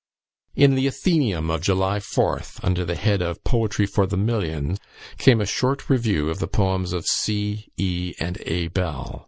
In the "Athenaeum" of July 4th, under the head of poetry for the million, came a short review of the poems of C., E., and A. Bell.